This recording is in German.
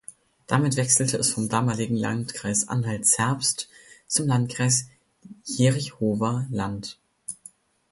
Damit wechselte es vom damaligen Landkreis Anhalt-Zerbst zum Landkreis Jerichower Land.